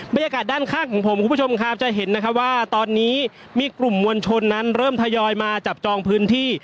บรรยากาศด้านข้างของผมคุณผู้ชมครับจะเห็นนะคะว่าตอนนี้มีกลุ่มมวลชนนั้นเริ่มทยอยมาจับจองพื้นที่